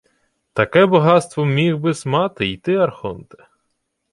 — Таке багатство міг би-с мати й ти, архонте...